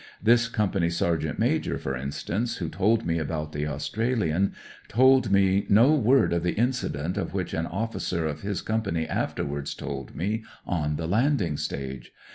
This AUSTRALIAN AS A FIGHTER 189 Company sergeant major, for instance, who told me about the Australian told me no word of the incident of which an officer of his Company afterwards told me on tne landing stage.